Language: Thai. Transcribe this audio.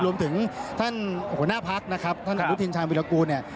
รวมถึงท่านหัวหน้าพักนะครับท่านอนุทินชาญวิรากูลเนี่ย